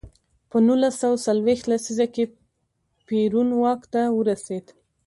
په نولس سوه څلویښت لسیزه کې پېرون واک ته ورسېد.